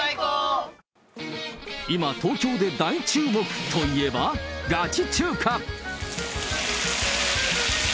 今、東京で大注目といえば、ガチ中華。